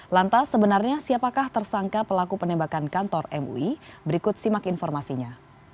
lantas sebenarnya siapakah tersangka pelaku penembakan kantor mui berikut simak informasinya